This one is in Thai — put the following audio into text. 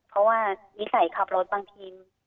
เพราะว่านิสัยขับรถบางที